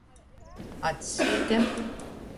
Atsviete.